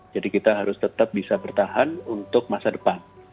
jadi kita harus tetap bisa bertahan untuk masa depan